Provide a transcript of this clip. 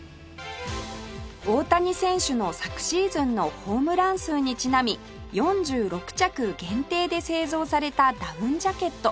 大谷選手の昨シーズンのホームラン数にちなみ４６着限定で製造されたダウンジャケット